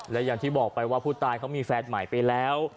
และอย่างที่บอกไปว่าผู้ตายเขามีแฟนใหม่ไปแล้ว